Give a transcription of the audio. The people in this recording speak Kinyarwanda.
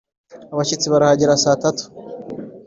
abashyitsi barahagera saa tatu